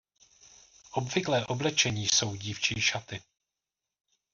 Obvyklé oblečení jsou dívčí šaty.